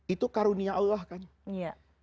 itu karunia allah kan